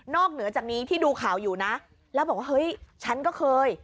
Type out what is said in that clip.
เหนือจากนี้ที่ดูข่าวอยู่นะแล้วบอกว่าเฮ้ยฉันก็เคย